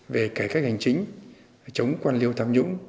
về cải cách hành chính chống quan liêu tham nhũng